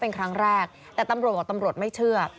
เป็นครั้งแรกแต่ตำรวจบอกตำรวจไม่เชื่อ